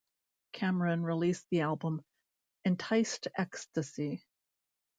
Cameron released the album "Enticed Ecstasy".